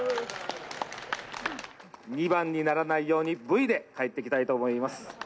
２番にならないように、Ｖで帰ってきたいと思います。